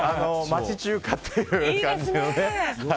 町中華っていう感じのね。